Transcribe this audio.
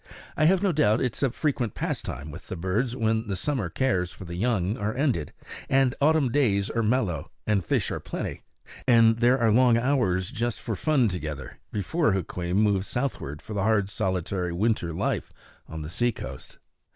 I have no doubt it is a frequent pastime with the birds when the summer cares for the young are ended, and autumn days are mellow, and fish are plenty, and there are long hours just for fun together, before Hukweem moves southward for the hard solitary winter life on the seacoast.